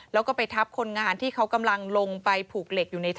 แล้วก็ไปทับคนงานที่เขากำลังลงไปผูกเหล็กอยู่ในท่อ